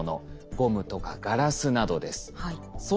ゴムとかガラスなどです。